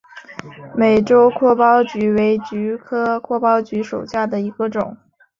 美洲阔苞菊为菊科阔苞菊属下的一个种。